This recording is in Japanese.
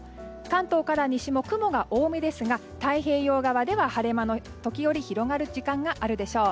関東から西も雲が多めですが太平洋側でも時折晴れ間が時折広がる時間があるでしょう。